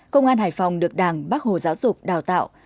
công an hải phòng được đảng bác hồ giáo dục đào tạo